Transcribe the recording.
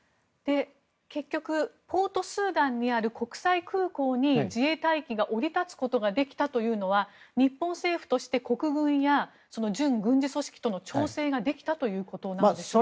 結局ポートスーダンにある国際空港に自衛隊機が降り立つことができたというのは日本政府として国軍や準軍事組織との調整ができたということなんでしょうか。